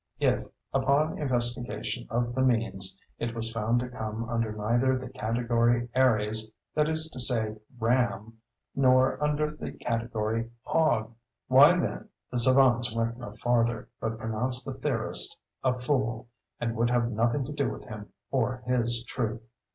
If, upon investigation of the means, it was found to come under neither the category Aries (that is to say Ram) nor under the category Hog, why then the savans went no farther, but pronounced the "theorist" a fool, and would have nothing to do with him or his truth.